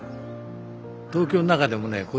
東京の中でもね